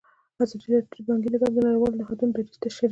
ازادي راډیو د بانکي نظام د نړیوالو نهادونو دریځ شریک کړی.